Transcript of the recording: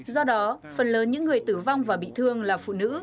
do đó phần lớn những người tử vong và bị thương là phụ nữ